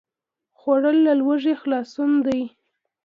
خوړل له لوږې خلاصون دی